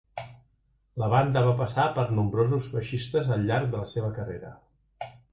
La banda va passar per nombrosos baixistes al llarg de la seva carrera.